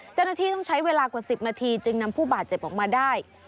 เจ้าหน้าที่ต้องใช้เวลากว่า๑๐นาทีจึงนำผู้บาดเจ็บออกมาได้